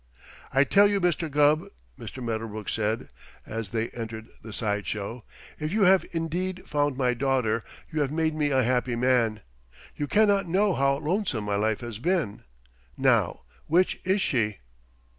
"I tell you, Mr. Gubb," Mr. Medderbrook said, as they entered the side show, "if you have indeed found my daughter you have made me a happy man. You cannot know how lonesome my life has been. Now, which is she?"